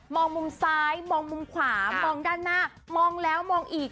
มุมซ้ายมองมุมขวามองด้านหน้ามองแล้วมองอีก